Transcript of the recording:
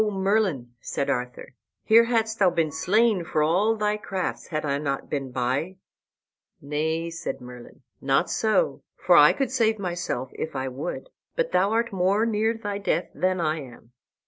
"O Merlin," said Arthur, "here hadst thou been slain, for all thy crafts, had I not been by." "Nay," said Merlin, "not so, for I could save myself if I would; but thou art more near thy death than I am."